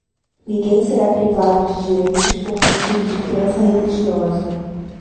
ninguém será privado de direitos por motivo de crença religiosa